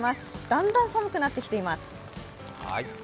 だんだん寒くなってきています。